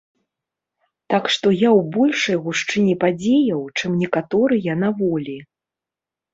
Так што я ў большай гушчыні падзеяў, чым некаторыя на волі.